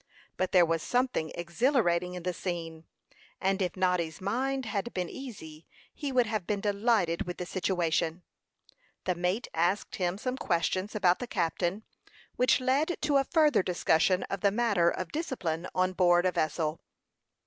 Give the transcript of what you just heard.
But there was something exhilarating in the scene, and if Noddy's mind had been easy, he would have been delighted with the situation. The mate asked him some questions about the captain, which led to a further discussion of the matter of discipline on board a vessel.